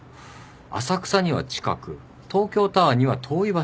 浅草には近く東京タワーには遠い場所にいた。